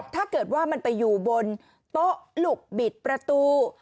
ถ้าเกิดว่ามันไปอยู่บนโต๊ะหลุกบิดประตู